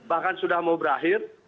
bahkan sudah mau berakhir